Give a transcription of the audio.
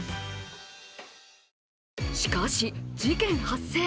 しかし、事件発生！